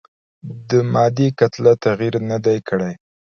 د مادې کتله تغیر نه دی کړی.